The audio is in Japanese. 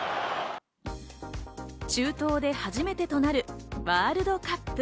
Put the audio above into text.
中東で初めてとなるワールドカップ。